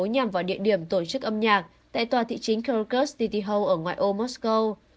nhằm vào địa điểm tổ chức âm nhạc tại tòa thị chính kyrgyzstan city hall ở ngoài ô moscow